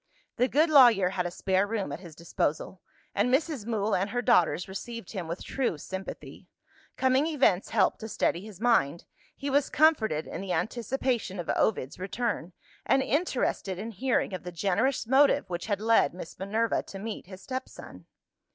The good lawyer had a spare room at his disposal; and Mrs. Mool and her daughters received him with true sympathy. Coming events helped to steady his mind. He was comforted in the anticipation of Ovid's return, and interested in hearing of the generous motive which had led Miss Minerva to meet his stepson.